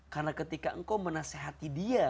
karena ketika engkau menasehati dia